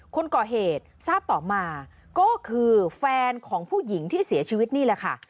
คนก่อเหตุทราบต่อมาก็คือแฟนของผู้หญิงที่เสียชีวิตนี่แหละค่ะ